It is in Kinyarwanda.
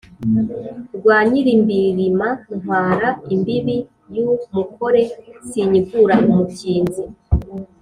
Rwa Nyilimbirima ntwara imbibi y’umukore, sinyigura umukinzi,